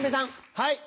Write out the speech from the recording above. はい。